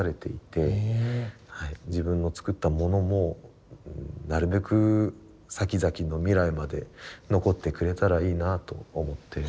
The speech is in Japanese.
自分の作ったものもなるべく先々の未来まで残ってくれたらいいなと思って。